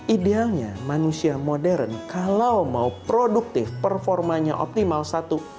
idealnya manusia modern kalau mau produktif performanya optimal satu